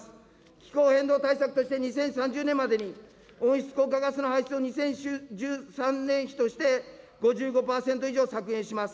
気候変動対策として２０３０年までに、温室効果ガスの排出を２０１３年比で５５％以上削減します。